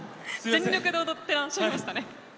全力で踊ってらっしゃいましたね。